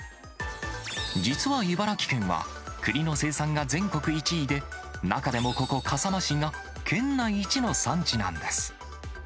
実は茨城県は、くりの生産が全国１位で、中でもここ、笠間市が県内一の産地なんです。